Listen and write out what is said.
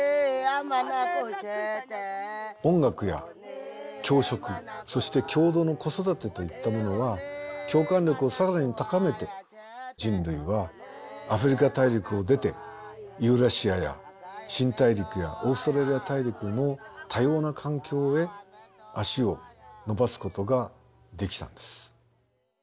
音楽や共食そして共同の子育てといったものは共感力を更に高めて人類はアフリカ大陸を出てユーラシアや新大陸やオーストラリア大陸の多様な環境へ足を延ばすことができたんです。